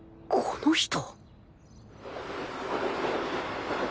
この人。